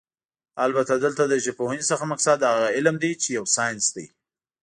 البته دلته له ژبپوهنې څخه مقصد هغه علم دی چې يو ساينس دی